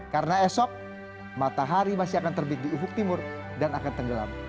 karena esok matahari masih akan terbit di ufuk timur dan akan tenggelam